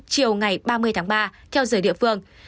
chiều ngày ba mươi tháng ba theo giờ địa phương